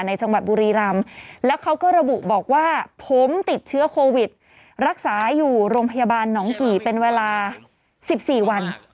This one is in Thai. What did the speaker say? จังหวัดบุรีรำแล้วเขาก็ระบุบอกว่าผมติดเชื้อโควิดรักษาอยู่โรงพยาบาลหนองกี่เป็นเวลา๑๔วัน